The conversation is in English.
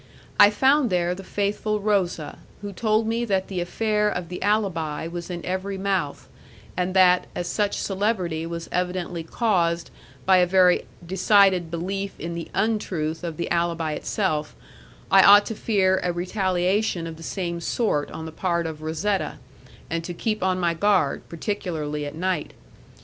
I found there the faithful Rosa, who told me that the affair of the alibi was in every mouth, and that, as such celebrity was evidently caused by a very decided belief in the untruth of the alibi itself, I ought to fear a retaliation of the same sort on the part of Razetta, and to keep on my guard, particularly at night.